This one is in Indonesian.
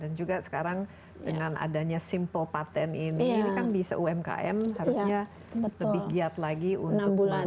dan juga sekarang dengan adanya simpel patent ini ini kan bisa umkm harusnya lebih giat lagi untuk melaporkan